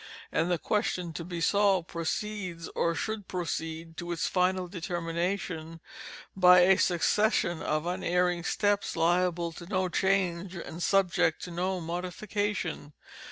And the question to be solved proceeds, or should proceed, to its final determination, by a succession of unerring steps liable to no change, and subject to no modification.